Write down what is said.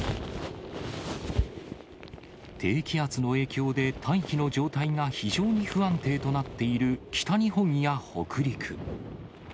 低気圧の影響で大気の状態が非常に不安定となっている北日本や北陸。